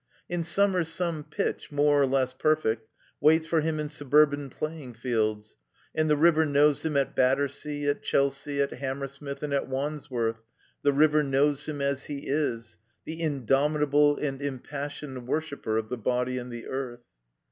In simimer some pitch, more or less perfect, waits for him in suburban plajdng fields; and the River knows him, at Battersea, at Chelsea, at Hammersmith, and at Wandsworth, the River knows him as he is, the indomitable and im passioned worshiper of the body and the earth.